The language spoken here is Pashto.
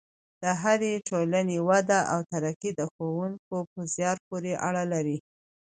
د هرې ټولنې وده او ترقي د ښوونکو په زیار پورې اړه لري.